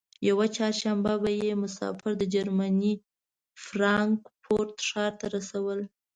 یوه چهارشنبه به یې مسافر د جرمني فرانکفورت ښار ته رسول.